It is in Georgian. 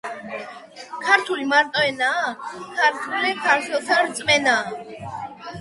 ქართული მარტო ენაა. ქართული ქართველთა რწმენაა.